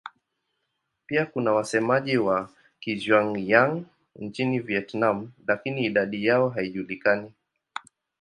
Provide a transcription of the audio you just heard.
Pia kuna wasemaji wa Kizhuang-Yang nchini Vietnam lakini idadi yao haijulikani.